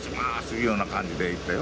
いうような感じで言ってたよ。